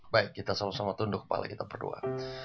baik kita sama sama tunduk kepala kita berdua